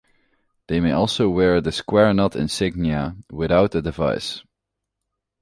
They may also wear the square knot insignia without a device.